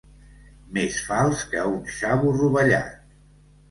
Més fals que un xavo rovellat.